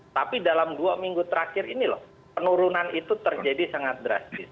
tapi dalam dua minggu terakhir ini loh penurunan itu terjadi sangat drastis